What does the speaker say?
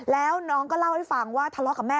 แล้วน้องก็เล่าให้ฟังว่าทะเลาะกับแม่